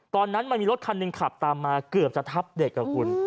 ตอนนั้นมันมีรถคันหนึ่งขับตามมาเกือบจะทับเด็กกับคุณ